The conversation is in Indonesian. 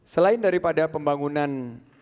selain daripada pembangunan